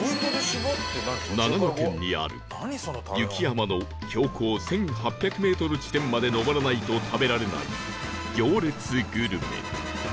長野県にある雪山の標高１８００メートル地点まで登らないと食べられない行列グルメ